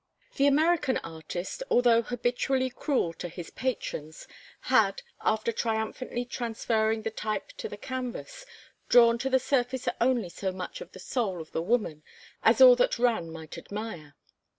The American artist, although habitually cruel to his patrons, had, after triumphantly transferring the type to the canvas, drawn to the surface only so much of the soul of the woman as all that ran might admire.